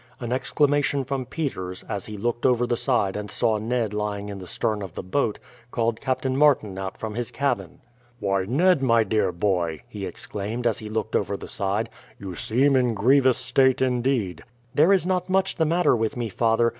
An exclamation from Peters, as he looked over the side and saw Ned lying in the stern of the boat, called Captain Martin out from his cabin. "Why, Ned, my dear boy!" he exclaimed, as he looked over the side; "you seem in grievous state indeed." "There is not much the matter with me, father.